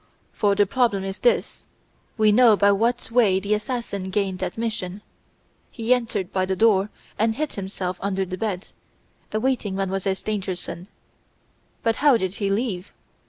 For the problem is this: we know by what way the assassin gained admission, he entered by the door and hid himself under the bed, awaiting Mademoiselle Stangerson. But how did he leave?